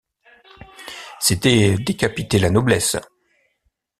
C’était décapiter la noblesse.